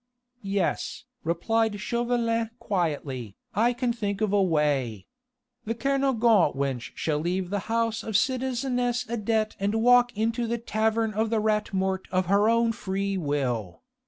"Yes," replied Chauvelin quietly, "I can think of a way. The Kernogan wench shall leave the house of citizeness Adet and walk into the tavern of the Rat Mort of her own free will.